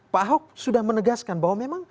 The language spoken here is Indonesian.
pak ahok sudah menegaskan bahwa memang